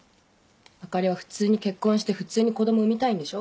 朱里は普通に結婚して普通に子供産みたいんでしょ？